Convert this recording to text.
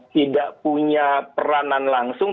tidak punya peranan langsung